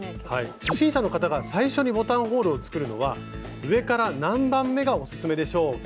初心者の方が最初にボタンホールを作るのは上から何番目がオススメでしょうか？